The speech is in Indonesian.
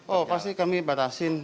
oh pasti kami batasin